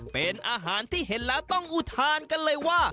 เป็นอาหารที่เห็นแล้วต้องอุทานกันเลยว่า